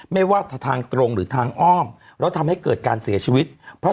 ไม่ว่าทางตรงหรือทางอ้อมแล้วทำให้เกิดการเสียชีวิตเพราะ